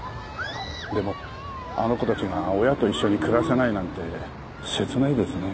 でもあの子たちが親と一緒に暮らせないなんて切ないですね。